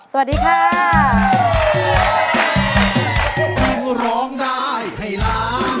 สวัสดีค่ะ